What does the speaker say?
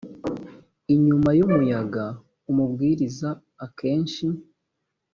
inyuma y umuyaga umubwiriza akenshi